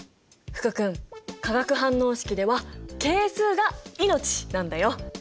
福君化学反応式では係数が命なんだよ！